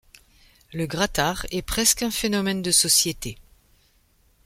Le gratar est presque un phénomène de société.